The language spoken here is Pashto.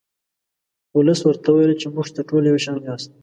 ولس ورته وویل چې موږ ته ټول یو شان یاست.